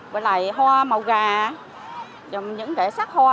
và lại hoa màu gà những trẻ sắc hoa này